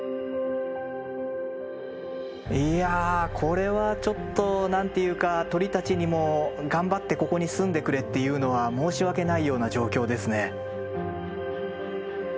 いやこれはちょっと何て言うか鳥たちにも頑張ってここに住んでくれっていうのは申し訳ないような状況ですね。